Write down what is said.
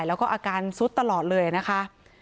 แล้วก็อาการซุดตลอดเลยนะคะ